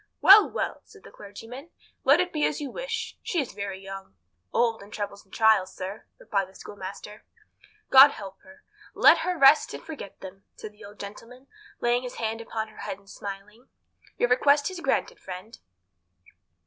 "Well, well," said the clergyman, "let it be as you wish. She is very young." "Old in troubles and trials, sir," replied the schoolmaster. "God help her. Let her rest and forget them," said the old gentleman, laying his hand upon her head, and smiling at her. "Your request is granted, friend."